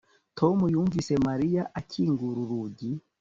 Tom yumvise Mariya akingura urugi